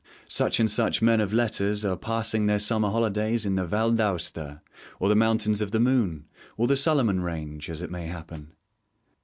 'Such and such men of letters are passing their summer holidays in the Val d'Aosta,' or the Mountains of the Moon, or the Suliman Range, as it may happen.